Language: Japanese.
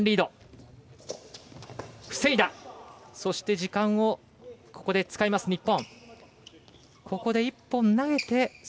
時間をここで使います、日本。